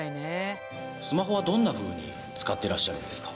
スマホは、どんな風に使ってらっしゃるんですか？